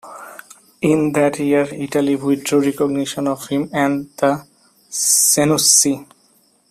In that year, Italy withdrew recognition of him and the Senussi.